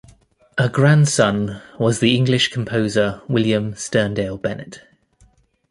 A grandson was the English composer William Sterndale Bennett.